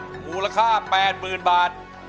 มูลค่า๘๐๐๐บาท